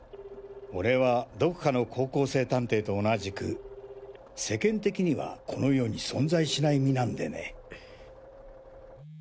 俺はどこかの高校生探偵と同じく世間的にはこの世に存在しない身なんでね。